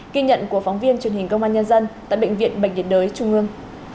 kinh nhận của phóng viên truyền hình công an nhân dân tại bệnh viện bệnh viện đới trung ương